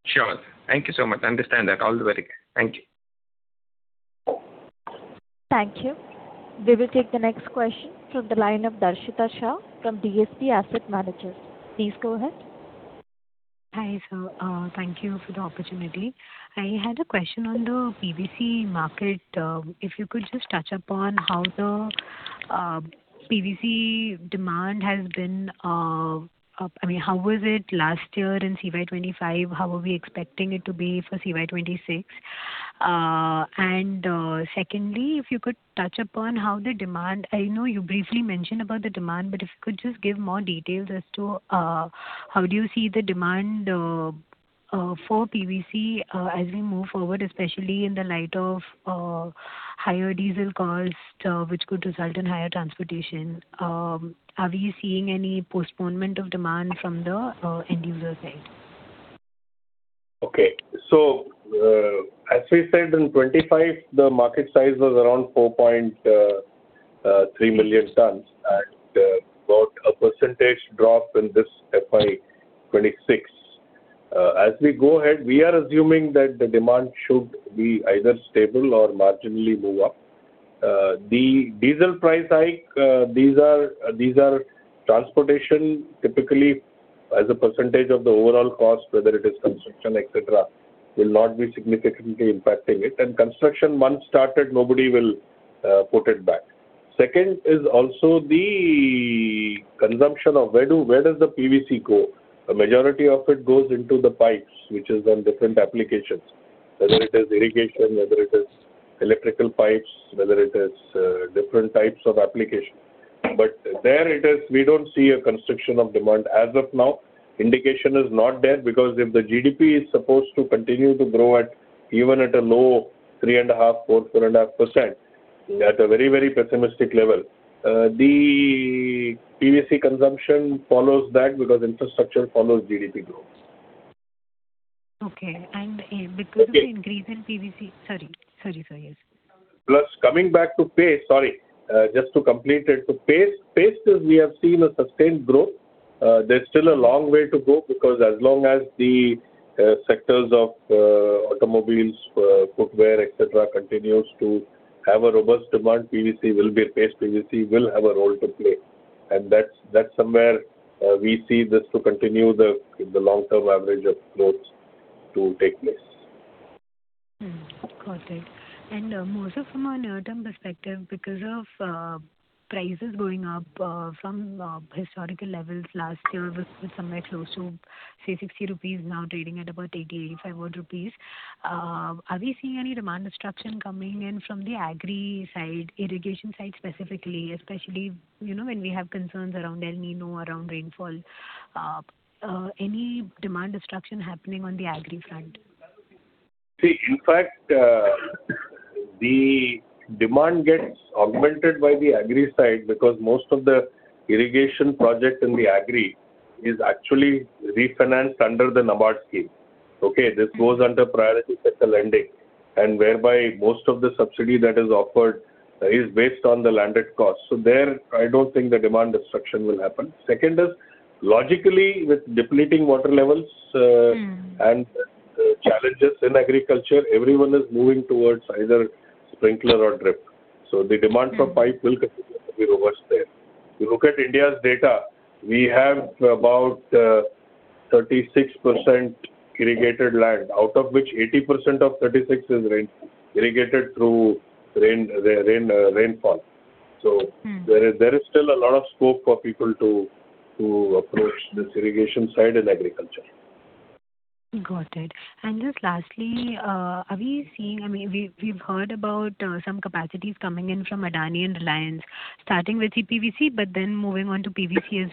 Sure. Thank you so much. Understand that all the way. Thank you. Thank you. We will take the next question from the line of Darshita Shah from DSP Asset Managers. Please go ahead. Hi, sir. Thank you for the opportunity. I had a question on the PVC market. If you could just touch upon how the PVC demand has been. How was it last year in CY 2025? How are we expecting it to be for CY 2026? Secondly, if you could touch upon how the demand, I know you briefly mentioned about the demand, but if you could just give more details as to how do you see the demand for PVC as we move forward, especially in the light of higher diesel costs, which could result in higher transportation? Have you seen any postponement of demand from the end user side? As we said in 2025, the market size was around 4.3 million tonnes and about a percentage drop in this FY 2026. As we go ahead, we are assuming that the demand should be either stable or marginally move up. The diesel price hike, these are transportation typically as a percentage of the overall cost, whether it is construction, et cetera, will not be significantly impacting it. Construction once started, nobody will put it back. Second is also the consumption of where does the PVC go. The majority of it goes into the pipes, which is in different applications, whether it is irrigation, whether it is electrical pipes, whether it is different types of application. There we don't see a constriction of demand. As of now, indication is not there because if the GDP is supposed to continue to grow at even at a low 3.5%, 4%, 4.5% at a very, very pessimistic level, the PVC consumption follows that because infrastructure follows GDP growth. Okay. With the increase in PVC, sorry. Coming back to paste. Sorry, just to complete it to paste. Paste we have seen a sustained growth. There's still a long way to go because as long as the sectors of automobiles, footwear, et cetera, continues to have a robust demand, PVC will be a Paste PVC will have a role to play. That's somewhere we see this to continue the long-term average of growth to take place. Got it. [Mohit] from a near-term perspective, because of prices going up from historical levels last year was somewhere close to 360 rupees now trading at about 385 rupees, are we seeing any demand destruction coming in from the agri side, irrigation side specifically, especially when we have concerns around El Niño, around rainfall? Any demand destruction happening on the agri front? In fact, the demand gets augmented by the agri side because most of the irrigation project in the agri is actually refinanced under the NABARD scheme. Okay? This goes under priority sector lending and whereby most of the subsidy that is offered is based on the landed cost. There, I don't think the demand destruction will happen. Second is logically with depleting water levels. Challenges in agriculture, everyone is moving towards either sprinkler or drip. The demand for pipe will continue to be robust there. You look at India's data, we have about 36% irrigated land, out of which 80% of 36% is irrigated through rainfall. There is still a lot of scope for people to approach this irrigation side in agriculture. Got it. Just lastly, have you seen, we've heard about some capacities coming in from Adani and Reliance starting with CPVC, but then moving on to PVC as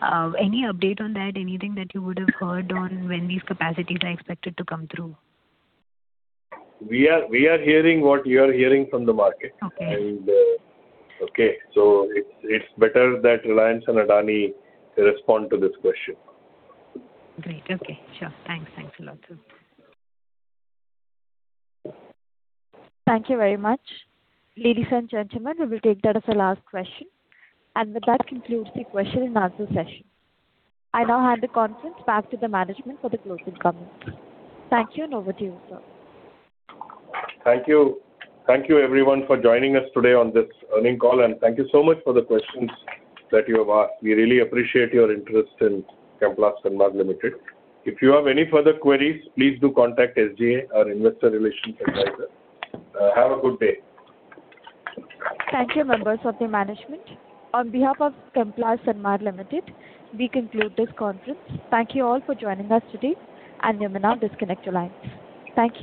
well. Any update on that? Anything that you would have heard on when these capacities are expected to come through? We are hearing what you are hearing from the market. Okay. It's better that Reliance and Adani respond to this question. Great. Okay, sure. Thanks. Thanks a lot, sir. Thank you very much. Ladies and gentlemen, we take that as the last question, and that concludes the question and answer session. I now hand the conference back to the management for the closing comments. Thank you and over to you, sir. Thank you. Thank you everyone for joining us today on this earnings call, and thank you so much for the questions that you have asked. We really appreciate your interest in Chemplast Sanmar Limited. If you have any further queries, please do contact SGA, our investor relations advisor. Have a good day. Thank you, members of the management. On behalf of Chemplast Sanmar Limited, we conclude this conference. Thank you all for joining us today. You may now disconnect your lines. Thank you.